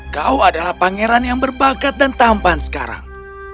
kau adalah pangeran yang berbakat dan tampan sekarang